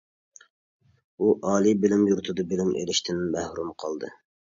ئۇ ئالىي بېلىم يۇرتىدا بىلىم ئېلىشتىن مەھرۇم قالدى.